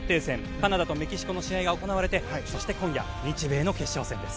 カナダとメキシコの試合が行われてそして、今夜日米の決勝戦です。